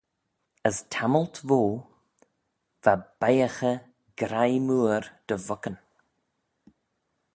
As tammylt voue va beiyhaghey griagh mooar dy vuckyn.